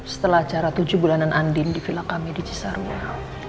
setelah jarak tujuh bulanan andin di vila kami di cisarua